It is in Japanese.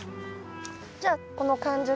じゃあこの完熟。